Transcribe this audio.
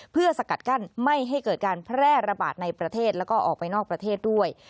เพื่อสกัดกั้นไม่ให้เกิดการแพร่ระบาดในประเทศแล้วก็ออกไปนอกประเทศด้วย